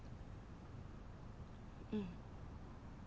うん。